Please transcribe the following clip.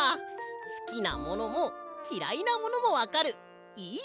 すきなものもきらいなものもわかるいい